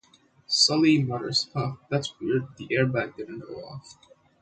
Sulley mutters, Huh, that's weird, the airbag didn't go off.